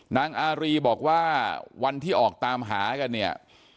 นางอารีบอกว่าวันที่ออกตามหากันเนี่ย